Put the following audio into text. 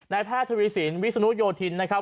แพทย์ทวีสินวิศนุโยธินนะครับ